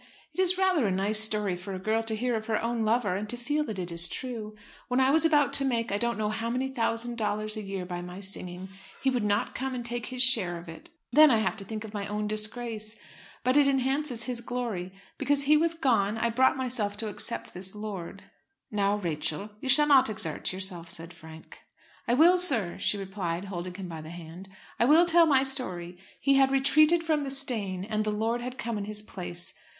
It is rather a nice story for a girl to hear of her own lover, and to feel that it is true. When I was about to make I don't know how many thousand dollars a year by my singing, he would not come and take his share of it. Then I have to think of my own disgrace. But it enhances his glory. Because he was gone, I brought myself to accept this lord." "Now, Rachel, you shall not exert yourself," said Frank. "I will, sir," she replied, holding him by the hand. "I will tell my story. He had retreated from the stain, and the lord had come in his place.